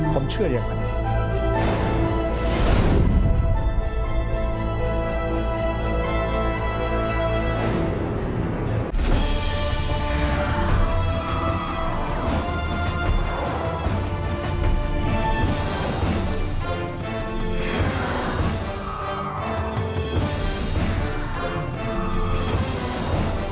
ผมเชื่ออย่างนั้น